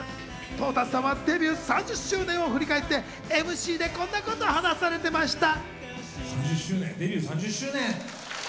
トータスさんはデビュー３０周年を振り返って、ＭＣでこんなことを話されていました。